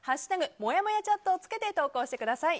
「＃もやもやチャット」をつけて投稿してください。